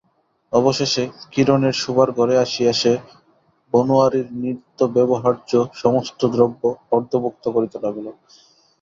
অবশেষে কিরণের শোবার ঘরে আসিয়া সে বনোয়ারির নিত্যব্যবহার্য সমস্ত দ্রব্য ফর্দভুক্ত করিতে লাগিল।